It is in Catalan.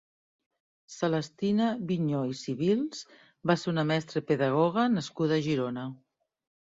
Celestina Vigneaux i Cibils va ser una mestra i pedagoga nascuda a Girona.